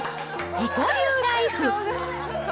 自己流ライフ。